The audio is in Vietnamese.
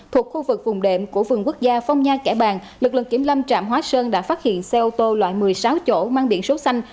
thuộc khu vực vùng đệm của vườn quốc gia phong nha kẻ bàng lực lượng kiểm lâm trạm hóa sơn đã phát hiện xe ô tô loại một mươi sáu chỗ mang biển số xanh